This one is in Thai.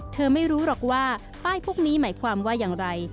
ไม่รู้หรอกว่าป้ายพวกนี้หมายความว่าอย่างไร